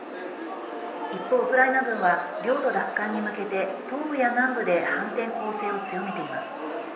一方、ウクライナ軍は領土奪還に向けて東部や南部で反転攻勢を強めています。